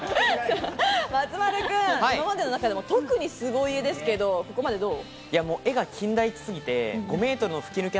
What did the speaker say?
松丸君、今までの中でも特に凄家ですが、ここまでどう？